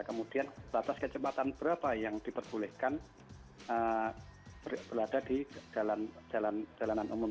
kemudian batas kecepatan berapa yang diperbolehkan berada di jalanan umum